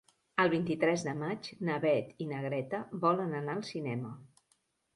El vint-i-tres de maig na Beth i na Greta volen anar al cinema.